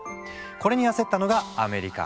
これに焦ったのがアメリカ。